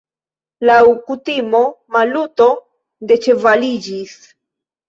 Laŭ kutimo Maluto deĉevaliĝis.